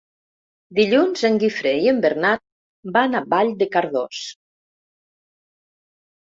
Dilluns en Guifré i en Bernat van a Vall de Cardós.